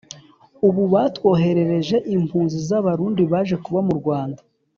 Ubu batwoherereje impunzi z’abarundi baje kuba mu Rwanda